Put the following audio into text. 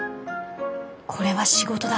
これは仕事だ。